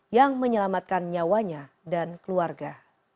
yang menyelamatkan nyawanya dan keluarga